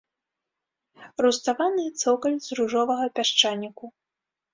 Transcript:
Руставаны цокаль з ружовага пясчаніку.